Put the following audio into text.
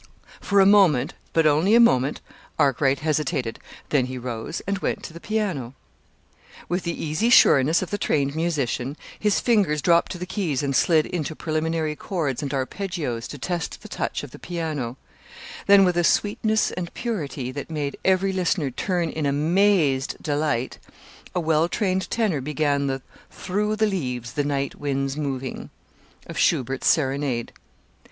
For a moment but only a moment Arkwright hesitated; then he rose and went to the piano. With the easy sureness of the trained musician his fingers dropped to the keys and slid into preliminary chords and arpeggios to test the touch of the piano; then, with a sweetness and purity that made every listener turn in amazed delight, a well trained tenor began the "Thro' the leaves the night winds moving," of Schubert's Serenade.